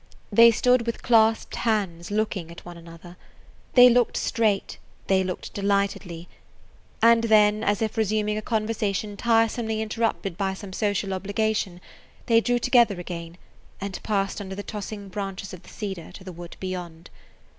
They stood with clasped hands looking at one another. They looked straight, they looked delightedly! And then, as if resuming a conversation tiresomely interrupted by some social obligation, they drew together again, and passed under the tossing branches of the cedar to the wood beyond.